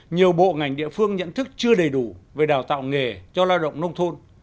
nhiều bộ ngành địa phương nhận thức chưa đầy đủ về đào tạo nghề cho lao động nông thôn